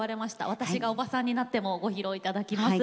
「私がオバさんになっても」をご披露頂きます。